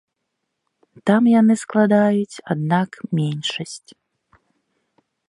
Там яны складаюць, аднак, меншасць.